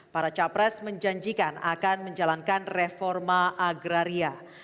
para capres menjanjikan akan menjalankan reforma agraria